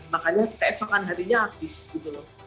makanya keesokan harinya habis gitu loh